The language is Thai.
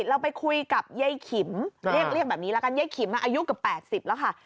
เราไปคุยกับเย้ยขิมเรียกเรียกแบบนี้ละกันเย้ยขิมอ่ะอายุกับแปดสิบแล้วค่ะ